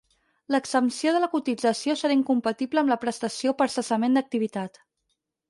L'exempció de la cotització serà incompatible amb la prestació per cessament d'activitat.